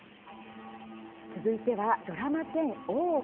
続いては、ドラマ１０「大奥」。